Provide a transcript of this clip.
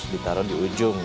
ditaruh di ujung